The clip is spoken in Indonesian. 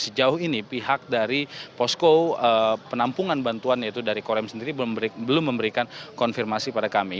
sejauh ini pihak dari posko penampungan bantuan yaitu dari korem sendiri belum memberikan konfirmasi pada kami